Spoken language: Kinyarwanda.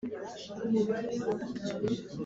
mbere yiminsi Impaka zigibwa gusa kumurimo